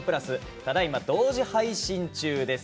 ただ今、同時配信中です。